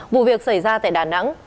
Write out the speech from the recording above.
vụ việc xảy ra tại đà nẵng